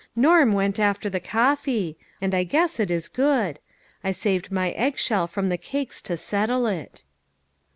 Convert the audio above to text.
Norm went after the coffee ; and I guess it is good. I saved my egg shell from the cakes to settle it."